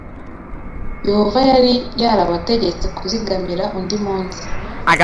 Yehova yari yarabategetse kuzigamira undi munsi